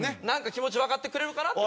気持ちわかってくれるかなって。